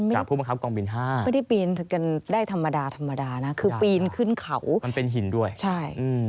จากผู้บังคับกองบิน๕ไม่ได้ปีนได้ธรรมดานะคือปีนขึ้นเขามันเป็นหินด้วยใช่